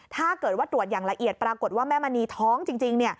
ถ้าเกิดว่าตรวจอย่างละเอียดปรากฏว่าแม่มณีท้องจริง